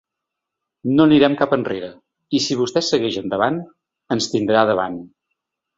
No anirem cap enrere i si vostè segueix endavant, ens tindrà davant.